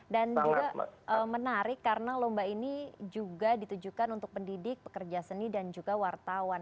dan juga menarik karena lomba ini juga ditujukan untuk pendidik pekerja seni dan juga wartawan